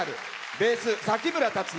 ベース、崎村達也。